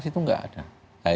di taman bacaan itu tidak ada